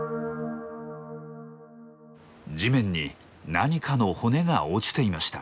地面に何かの骨が落ちていました。